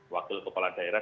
wakil kepala daerah